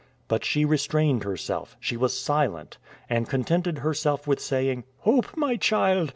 But she restrained herself, she was silent, and contented herself with saying, "Hope, my child!